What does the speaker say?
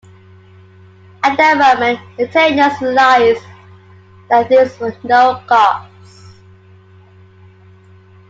At that moment the Tainos realized that these were no gods.